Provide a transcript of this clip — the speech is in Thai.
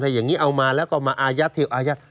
อย่างนี้เอามาแล้วก็มาอายัดที่อายัด